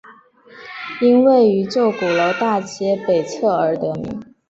因位于旧鼓楼大街北侧而得名。